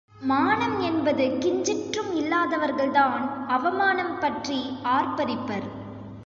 மானம் என்பது கிஞ்சிற்றும் இல்லாதவர்கள்தான் அவமானம் பற்றி ஆர்ப்பரிப்பர்.